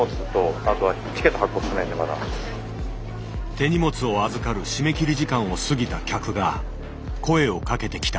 手荷物を預かる締め切り時間を過ぎた客が声をかけてきた。